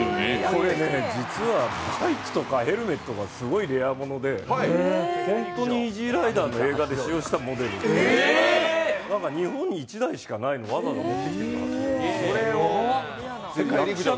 これ実は、バイクとかヘルメットがレアもので、本当に「イージーライダー」の映画で使用したモデルで、日本に１台しかないのをわざわざ持ってきてくれた。